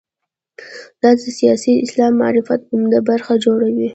دا د سیاسي اسلام معرفت عمده برخه جوړوي.